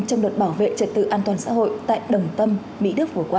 trong luật bảo vệ trật tự an toàn xã hội tại đồng tâm mỹ đức vừa qua